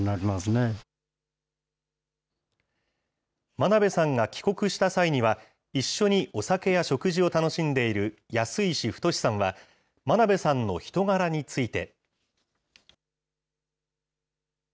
真鍋さんが帰国した際には、一緒にお酒や食事を楽しんでいる休石太さんは、真鍋さんの人柄について。